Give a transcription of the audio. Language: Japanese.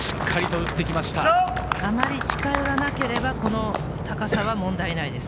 あまり近寄らなければこの高さは問題ないです。